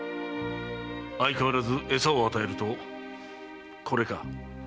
相変わらず餌を与えるとこれか？